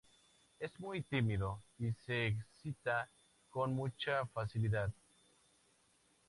Es muy tímido y se excita con mucha facilidad.